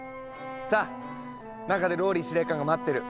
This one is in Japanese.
さあ中でＲＯＬＬＹ司令官が待ってる。